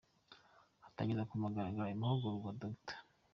Atangiza ku mugaragaro ayo mahugurwa, Dr.